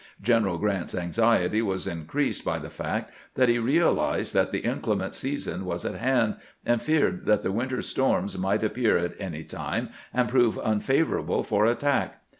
General Grant's anxiety was increased by the fact that he realized that the inclement season was at hand, and feared that the winter storms might appear at any time and prove unfavorable for attack.